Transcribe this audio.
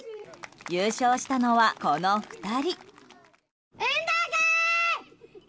優勝したのは、この２人。